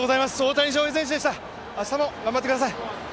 明日も頑張ってください。